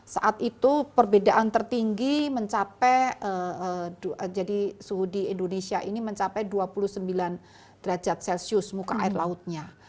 saat itu perbedaan tertinggi mencapai jadi suhu di indonesia ini mencapai dua puluh sembilan derajat celcius muka air lautnya